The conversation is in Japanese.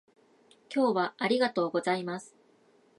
今日はありがとうございます